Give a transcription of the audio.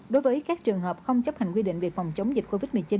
đối với các trường hợp không chấp hành quy định về phòng chống dịch covid một mươi chín